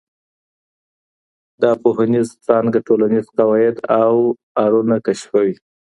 دا پوهنيزه څانګه ټولنيز قواعد او ارونه کشفوي.